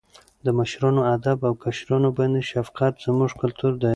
د مشرانو ادب او کشرانو باندې شفقت زموږ کلتور دی.